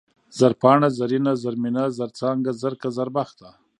زرپاڼه ، زرينه ، زرمينه ، زرڅانگه ، زرکه ، زربخته